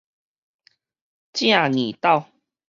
正硬鬥